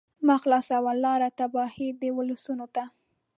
مه خلاصوه لاره تباهۍ د ولسونو ته